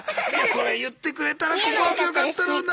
それ言ってくれたら心強かったろうな。